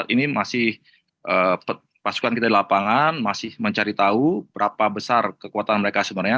ini masih pasukan kita di lapangan masih mencari tahu berapa besar kekuatan mereka sebenarnya